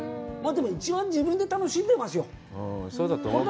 でも、一番自分で楽しんでますよ。